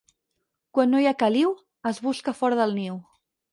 Quan no hi ha caliu, es busca fora del niu.